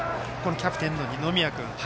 キャプテンの二宮君。